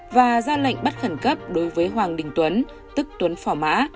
và ra lệnh bắt khẩn cấp đối với hoàng đình tuấn tức tuấn phỏ mã